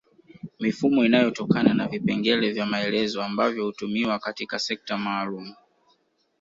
Mifumo inayotokana na vipengele vya maelezo ambavyo hutumiwa katika sekta maalum